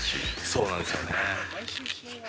そうなんですよね。